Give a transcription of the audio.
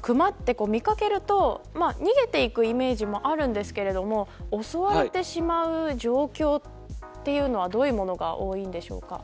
クマって見掛けると逃げていくイメージもあるんですけど襲われてしまう状況っていうのはどういうものが多いんでしょうか。